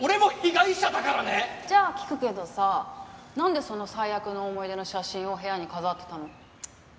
じゃあ聞くけどさなんでその最悪の思い出の写真を部屋に飾ってたの？